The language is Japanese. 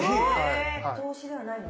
投資ではないんだ。